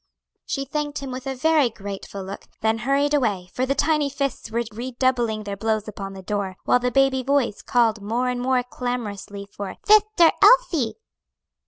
She thanked him with a very grateful look, then hurried away, for the tiny fists were redoubling their blows upon the door, while the baby voice called more and more clamorously for "sister Elsie."